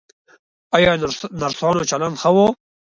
ایا نرسانو چلند ښه و؟